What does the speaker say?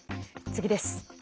次です。